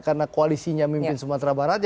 karena koalisinya mimpin sumatera barat